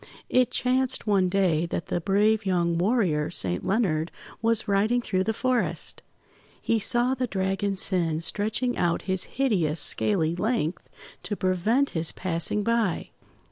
It chanced one day that the brave young warrior, Saint Leonard, was riding through the forest. He saw the Dragon Sin stretching out his hideous scaly length to prevent his passing by.